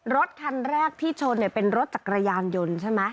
รถคันแรกที่ชนเป็นรถจักรยานยนต์ใช่ไหม